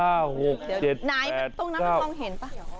นายตรงนั้นมันพอเห็นป่ะ